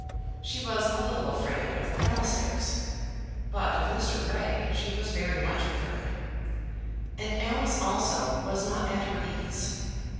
She was a little afraid of the Pallisers, but of Mr. Grey she was very much afraid. And Alice also was not at her ease.